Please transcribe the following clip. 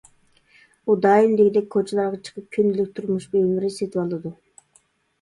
ئۇ دائىم دېگۈدەك كوچىلارغا چىقىپ كۈندىلىك تۇرمۇش بۇيۇملىرى سېتىۋالىدۇ.